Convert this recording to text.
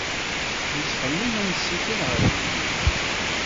Nettxemmim ad nessikel ɣer Legliz.